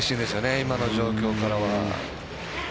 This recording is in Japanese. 今の状況からは。